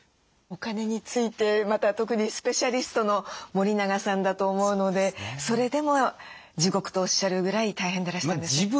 お金についてまた特にスペシャリストの森永さんだと思うのでそれでも地獄とおっしゃるぐらい大変でらしたんですね。